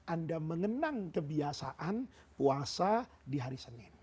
anda mengenang kebiasaan puasa di hari senin